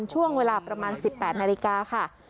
ช่วงเวลาประมาณ๑๘นาฬิกาค่ะ